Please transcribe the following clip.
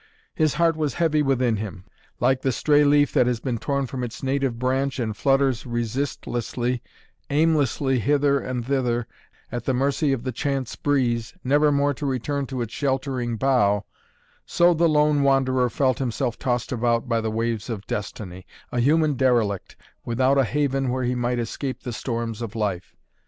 His heart was heavy within him. Like the stray leaf that has been torn from its native branch and flutters resistlessly, aimlessly hither and thither, at the mercy of the chance breeze, nevermore to return to its sheltering bough, so the lone wanderer felt himself tossed about by the waves of destiny, a human derelict without a haven where he might escape the storms of life.